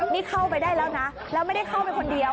นี่เข้าไปได้แล้วนะแล้วไม่ได้เข้าไปคนเดียว